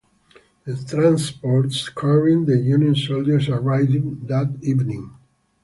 The transports carrying the Union soldiers arrived that evening.